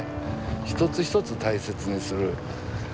一つ一つ大切にする。